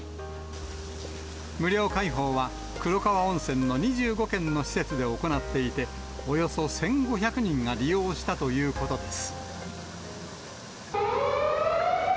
無料開放は黒川温泉の２５軒の施設で行っていて、およそ１５００人が利用したということです。